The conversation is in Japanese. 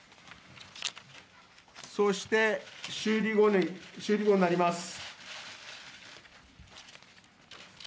そして、修理後になります。